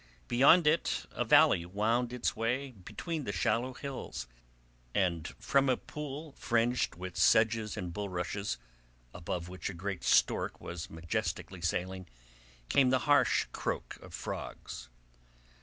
Beyond it a valley wound its way between the shallow hills, and from a pool fringed with sedges and bullrushes above which a great stork was majestically sailing came the harsh croak of frogs.